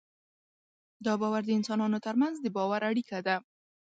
دا باور د انسانانو تر منځ د باور اړیکه ده.